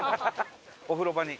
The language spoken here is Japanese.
お風呂場に。